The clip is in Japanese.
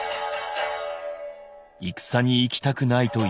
戦に行きたくないと嫌がり